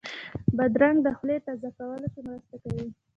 بادرنګ د خولې تازه کولو کې مرسته کوي.